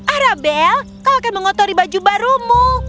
arabel kau akan mengotori baju barumu